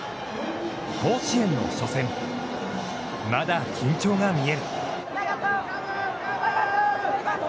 甲子園の初戦、まだ緊張が見える。